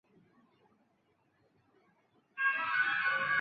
养父为欧普之狮乌兹米。